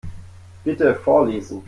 Bitte vorlesen.